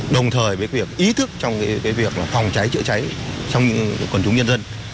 đồng thời với ý thức trong việc phòng cháy chữa cháy trong quần chúng nhân dân